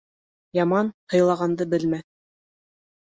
Яман һыйлағанды белмәҫ.